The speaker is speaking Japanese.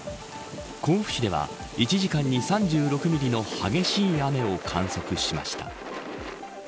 甲府市では、１時間に３６ミリの激しい雨を観測しました。